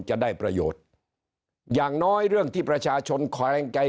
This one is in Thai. จะได้ประโยชน์อย่างน้อยเรื่องที่ประชาชนแขวงใจ